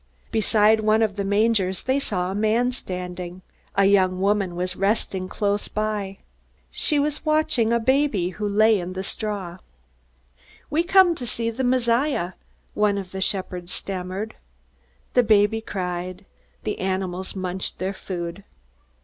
Beside one of the mangers they saw a man standing. A young woman was resting close by. She was watching a baby who lay in the straw. "We came to see the Messiah," one of the shepherds stammered. The baby cried. The animals munched their food.